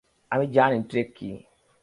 আমি জানি ট্রেক কি!